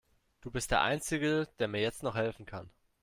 Du bist der einzige, der mir jetzt noch helfen kann.